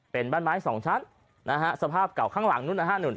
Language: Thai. เป็นบ้านไม้๒ชั้นนะฮะสภาพเก่าข้างหลังนู้นนะฮะ